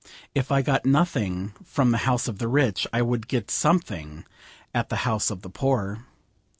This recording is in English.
If I got nothing from the house of the rich I would get something at the house of the poor.